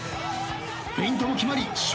フェイントも決まり笑